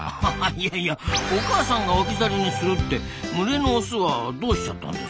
いやいやお母さんが置き去りにするって群れのオスはどうしちゃったんですか？